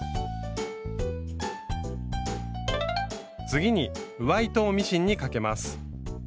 次に上糸をミシンにかけます。